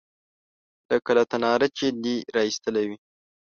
_لکه له تناره چې دې را ايستلې وي.